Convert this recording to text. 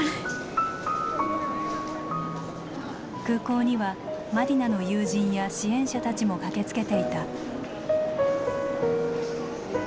空港にはマディナの友人や支援者たちも駆けつけていた。